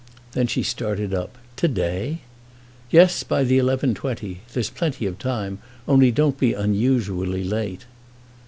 Then she started up. "To day!" "Yes; by the 11.20. There is plenty of time, only don't be unusually late."